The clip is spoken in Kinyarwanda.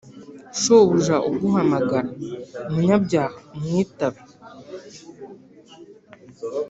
Shobobuja uguhamagara munyabyaha umwitabe